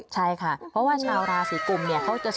ใช่ค่ะเพราะว่าชาวราศีกุมเนี่ย